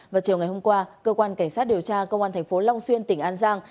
vào chiều ngày hôm qua cơ quan cảnh sát điều tra công an tp long xuyên tỉnh an giang